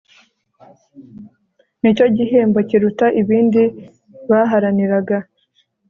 ni cyo gihembo kiruta ibindi baharaniraga